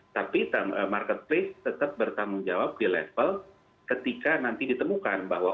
tapi marketplace tetap bertanggung jawab di level ketika nanti ditemukan bahwa